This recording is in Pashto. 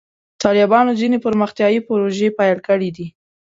طالبانو ځینې پرمختیایي پروژې پیل کړې دي.